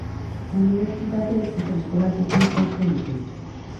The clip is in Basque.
Unibertsitate eta eskola tekniko asko ditu.